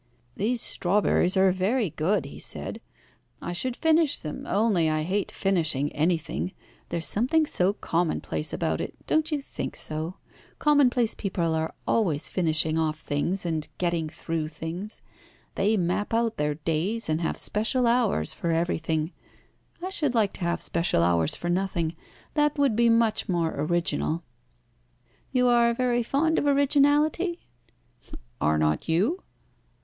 "These strawberries are very good," he said. "I should finish them, only I hate finishing anything. There is something so commonplace about it. Don't you think so? Commonplace people are always finishing off things, and getting through things. They map out their days, and have special hours for everything. I should like to have special hours for nothing. That would be much more original." "You are very fond of originality?" "Are not you?"